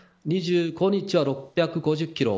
２５日は６５０キロ。